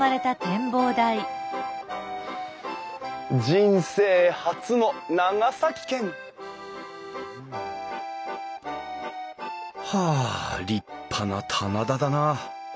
人生初の長崎県！はあ立派な棚田だな。